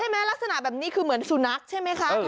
ลักษณะแบบนี้คือเหมือนสุนัขใช่ไหมคะ